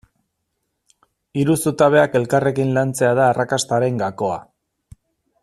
Hiru zutabeak elkarrekin lantzea da arrakastaren gakoa.